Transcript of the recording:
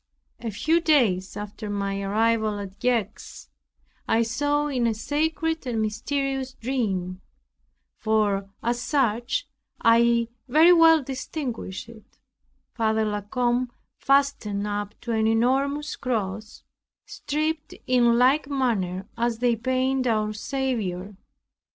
A few days after my arrival at Gex, I saw in a sacred and mysterious dream (for as such I very well distinguished it) Father La Combe fastened up to an enormous cross, stripped in like manner as they paint our Saviour.